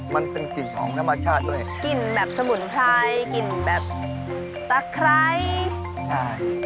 มันเป็นกลิ่นของธรรมชาติด้วยกลิ่นแบบสมุนไพรกลิ่นแบบตะไคร้ใช่